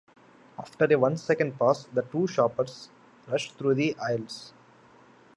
After a one-second pause, the two shoppers rush through the aisles.